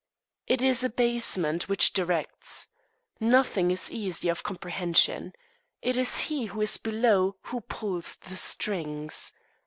It is abasement which directs. Nothing is easier of comprehension. It is he who is below who pulls the strings.